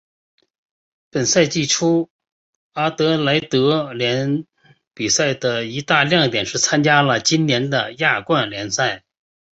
本赛季初阿德莱德联比赛的一大亮点是参加了今年的亚冠联赛。